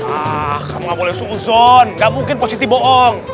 ah kamu gak boleh susun gak mungkin positif bohong